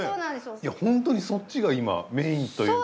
ホントにそっちが今メインというか。